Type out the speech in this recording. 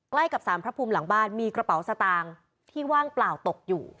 ใกล้กับสารพระภูมิหลังบ้านมีกระเป๋าสตางค์ที่ว่างเปล่าตกอยู่